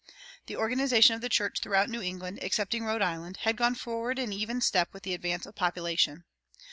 The organization of the church throughout New England, excepting Rhode Island, had gone forward in even step with the advance of population.